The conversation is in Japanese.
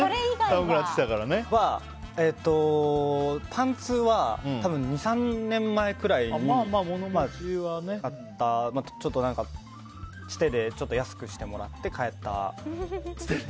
パンツは多分２３年前くらいに買ったつてで安くしてもらって買った。